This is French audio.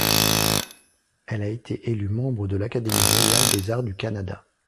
Elle a été élue membre de l'Académie Royale des Arts du Canada.